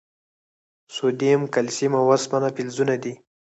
سوډیم، کلسیم، او اوسپنه فلزونه دي.